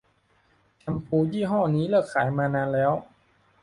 แชมพูยี่ห้อนี้เลิกขายมานานแล้ว